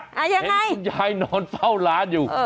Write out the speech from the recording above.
เห็นคุณยายนอนเฝ้าร้านอยู่